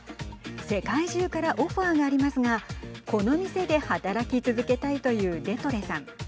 世界中からオファーがありますがこの店で働き続けたいというデトレさん。